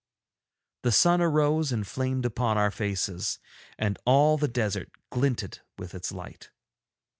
The sun arose and flamed upon our faces, and all the desert glinted with its light.